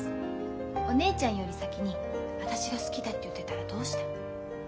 お姉ちゃんより先に私が好きだって言ってたらどうした？